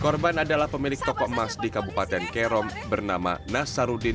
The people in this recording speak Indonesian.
korban adalah pemilik toko emas di kabupaten kerom bernama nasaruddin